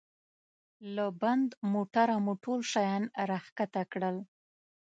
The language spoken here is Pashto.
له بند موټره مو ټول شیان را کښته کړل.